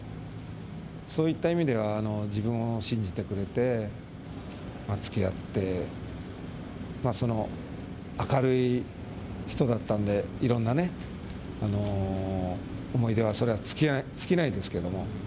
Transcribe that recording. そういった意味では自分を信じてくれて、つきあって、その明るい人だったんで、いろんなね、思い出はそれは尽きないですけども。